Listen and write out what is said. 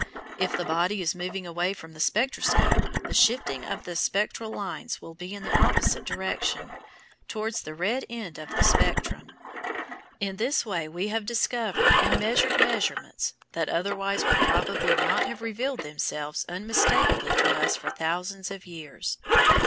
If the body is moving away from the spectroscope the shifting of the spectral lines will be in the opposite direction, towards the red end of the spectrum. In this way we have discovered and measured movements that otherwise would probably not have revealed themselves unmistakably to us for thousands of years.